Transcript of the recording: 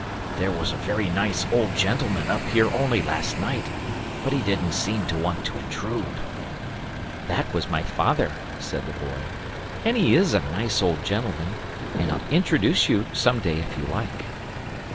There was a very nice old gentleman up here only last night, but he didn't seem to want to intrude." "That was my father," said the boy, "and he IS a nice old gentleman, and I'll introduce you some day if you like."